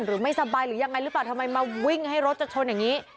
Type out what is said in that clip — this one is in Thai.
หรือไม่สบายหรือยังไงหรือเปล่าทำไมมาวิ่งให้รถจะชนอย่างนี้